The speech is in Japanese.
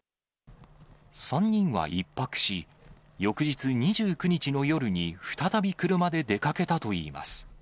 ３人は１泊し、翌日２９日の夜に再び車で出かけたといいます。